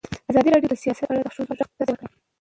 ازادي راډیو د سیاست په اړه د ښځو غږ ته ځای ورکړی.